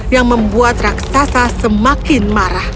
yang membuat raksasa semakin marah